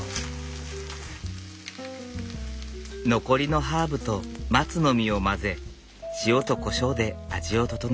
残りのハーブと松の実を混ぜ塩とこしょうで味を調える。